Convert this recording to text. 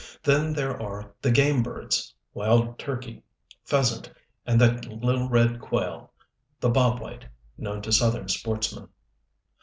Then there are the game birds: wild turkey, pheasant, and that little red quail, the Bob White known to Southern sportsmen.